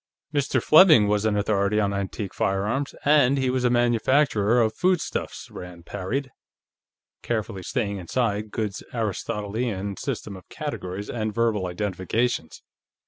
"Mr. Fleming was an authority on antique firearms, and he was a manufacturer of foodstuffs," Rand parried, carefully staying inside Goode's Aristotelian system of categories and verbal identifications.